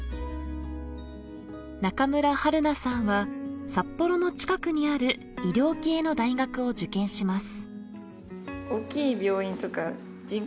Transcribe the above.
中村榛名さんは札幌の近くにある医療系の大学を受験します。